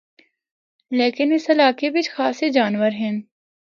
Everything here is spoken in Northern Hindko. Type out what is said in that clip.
لیکن اس علاقے بچ خاصے جانور ہن۔